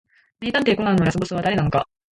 名探偵コナンのラスボスは誰なのか